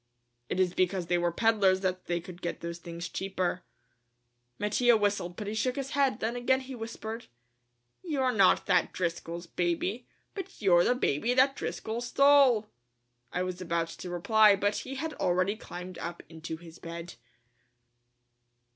"It is because they were peddlers that they could get those things cheaper." Mattia whistled, but he shook his head, then again he whispered: "You're not that Driscoll's baby, but you're the baby that Driscoll stole!" I was about to reply but he had already climbed up into his bed.